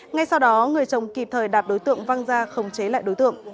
ngay sau đó người chồng kịp thời đạp đối tượng văng ra khống chế lại đối tượng